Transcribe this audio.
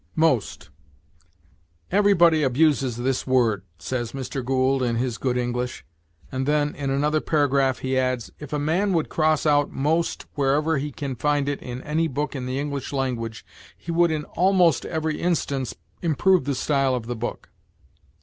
MOST. "Everybody abuses this word," says Mr. Gould in his "Good English"; and then, in another paragraph, he adds: "If a man would cross out most wherever he can find it in any book in the English language, he would in _al_most every instance improve the style of the book."